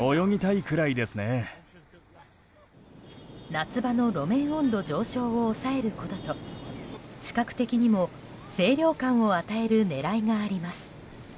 夏場の路面温度上昇を抑えることと視覚的にも清涼感を与える狙いがあります。